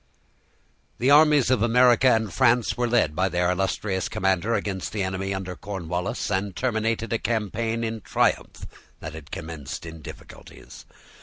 The armies of America and France were led by their illustrious commander against the enemy under Cornwallis, and terminated a campaign in triumph that had commenced in difficulties.